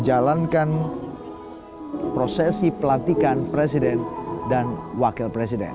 jadi ini adalah proses yang akan dilakukan oleh pak presiden dan wakil presiden